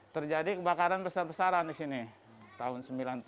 terjadi kebakaran besar besaran di sini tahun sembilan puluh satu